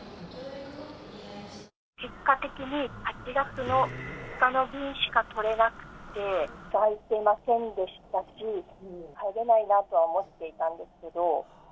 結果的に８月の５日の分しか取れなくて、空いてませんでしたし、帰れないなとは思ってたんですけど。